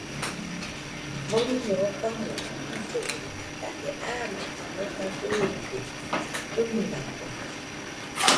Boriño ogamɨe jillollena daje amani mona bɨide, ɨnɨrakomo